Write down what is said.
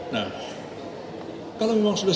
nah kalau memang sudah